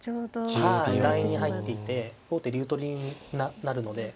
はいラインに入っていて王手竜取りになるので。